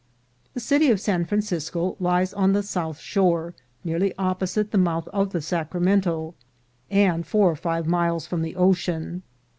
< jThe city of San Francisco lies on the south shore, nearly opposite the mouth of the Sacramento, and four or five miles from the ocean.